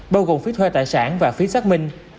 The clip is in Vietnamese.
bao gồm phí thuê tài sản và phí xác minh